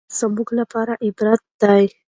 دا حقایق زموږ لپاره عبرت دي.